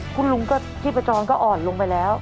คุณลุงก็ขี้ประจอนก็อ่อนลุงไปแล้ว